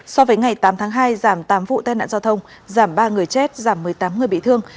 so với ngày tám tháng hai giảm tám vụ tai nạn giao thông giảm ba người chết giảm một mươi tám người bị thương